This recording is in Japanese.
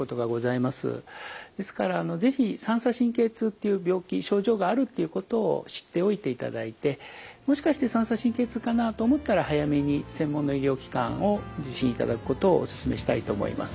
ですから是非三叉神経痛っていう病気症状があるっていうことを知っておいていただいてもしかして三叉神経痛かなあ？と思ったら早めに専門の医療機関を受診いただくことをお勧めしたいと思います。